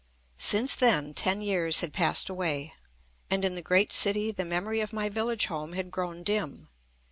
Since then ten years had passed away, and in the great city the memory of my village home had grown dim.